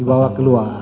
dibawa keluar ya